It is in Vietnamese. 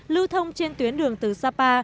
lưu thông trên tuyến đường từ sapa